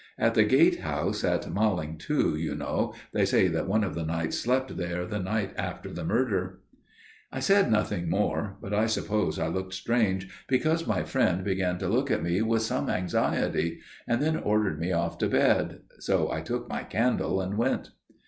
At the Gatehouse at Malling, too, you know, they say that one of the knights slept there the night after the murder.' "I said nothing more; but I suppose I looked strange, because my friend began to look at me with some anxiety, and then ordered me off to bed: so I took my candle and went.